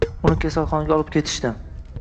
Uni kasalxonaga olib ketishdi.